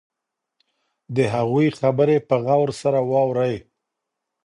د هغوی خبرې په غور سره واورئ.